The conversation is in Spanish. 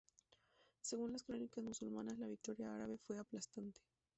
Según las crónicas musulmanas, la victoria árabe fue aplastante.